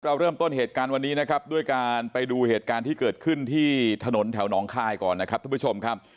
เราเริ่มต้นเหตุการณ์วันนี้นะครับด้วยการไปดูเหตุการณ์ที่เกิดขึ้นที่ถนนแถวหนองคายก่อนนะครับทุกผู้ชมครับ